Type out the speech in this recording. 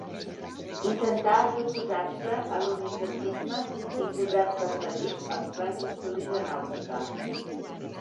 Intentà d'oposar-se a l'uniformisme imposat per Madrid als plans d'estudi de nàutica.